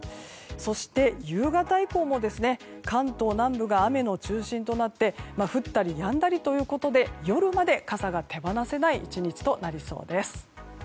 そして、夕方以降も関東南部が雨の中心となって降ったりやんだりということで夜まで傘が手放せない１日となりそうです。